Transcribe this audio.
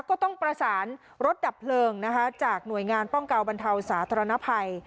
ก็ต้องประสานรถดับเพลิงนะคะจากหน่วยงานป้องกันบรรเทาสาธารณภัย